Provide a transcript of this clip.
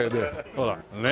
ほらね。